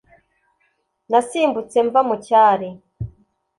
nasimbutse mva mu cyari